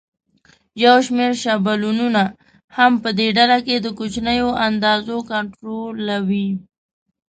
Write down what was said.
یو شمېر شابلونونه هم په دې ډله کې د کوچنیو اندازو کنټرولوي.